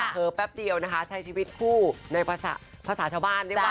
เผิดแป๊บเดียวใช้ชีวิตคู่ในภาษาชาวบ้าน